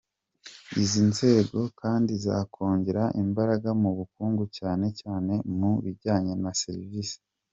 Izi nzego kandi zakongera imbaraga mu bukungu cyane cyane mu bijyanye na za serivisi.”